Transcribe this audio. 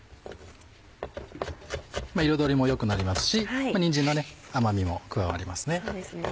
彩りも良くなりますしにんじんの甘みも加わりますね。